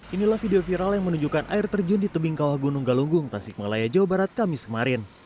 inilah video viral yang menunjukkan air terjun di tebing kawah gunung galunggung tasik malaya jawa barat kamis kemarin